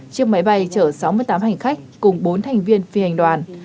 chiếc máy bay chở sáu mươi tám hành khách cùng bốn thành viên phi hành đoàn